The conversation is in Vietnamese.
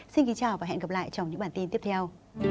xin kính chào và hẹn gặp lại trong những bản tin tiếp theo